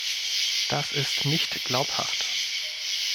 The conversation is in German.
Das ist nicht glaubhaft.